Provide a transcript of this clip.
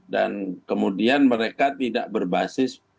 dan kemudian mereka tidak berbasis